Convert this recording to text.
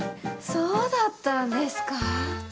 そうだったんですかぁ。